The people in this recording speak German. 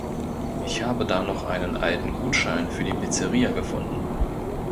Ich habe da noch einen alten Gutschein für die Pizzeria gefunden.